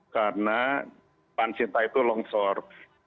karena pancinta itu longshore